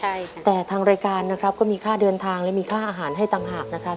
ใช่แต่ทางรายการนะครับก็มีค่าเดินทางและมีค่าอาหารให้ต่างหากนะครับ